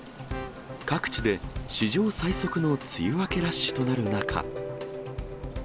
各地で史上最速の梅雨明けラッシュとなる中。